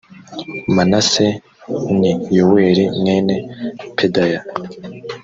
manase ni yoweli mwene pedaya